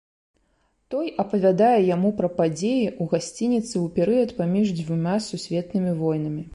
Той апавядае яму пра падзеі ў гасцініцы ў перыяд паміж дзвюма сусветнымі войнамі.